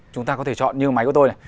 chúng ta có thể chọn như máy của tôi